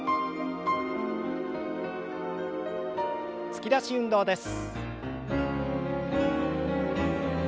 突き出し運動です。